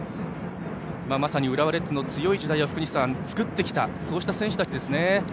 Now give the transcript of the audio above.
まさに浦和レッズの強い時代を作ってきた選手たちですね。